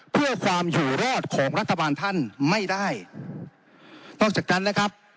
เพื่อความอยู่รอดของรัฐบาลท่านไม่ได้นอกจากนั้นนะครับ